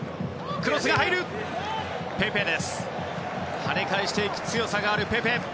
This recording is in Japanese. はね返していく強さがあるペペ。